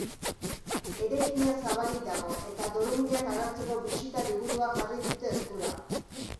Eraikina zabalik dago, eta doluminak agertzeko bisita-liburua jarri dute eskura.